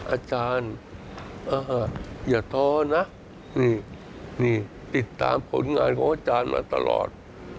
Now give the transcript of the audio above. อาจารย์อย่าท้อนะนี่ติดตามผลงานของอาจารย์มาตลอด